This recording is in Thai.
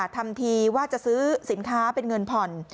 ทำทีว่าจะซื้อสินค้าเป็นเงินผ่อน